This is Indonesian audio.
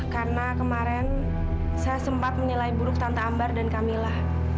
karena kemarin saya sempat menilai buruk tante ambar dan kamila